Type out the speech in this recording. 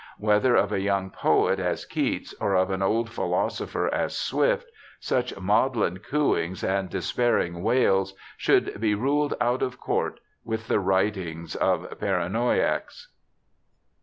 Whether of a young poet as Keats, or of an old philosopher as Swift, such maudlin cooings and despairing wails should be ruled out of court with the writings of paranoiacs.